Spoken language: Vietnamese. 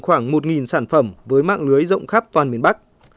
khoảng một sản phẩm với mạng lưới rộng khắp toàn miền bắc